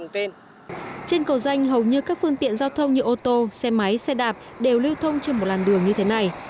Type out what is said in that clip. trên cầu danh hầu như các phương tiện giao thông như ô tô xe máy xe đạp đều lưu thông trên một làn đường như thế này